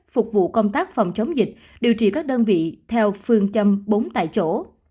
phục vụ công tác phòng chống dịch điều trị các đơn vị theo phương châm bốn tại chỗ